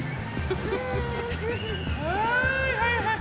はいはいはい！